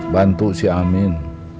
bantu si amin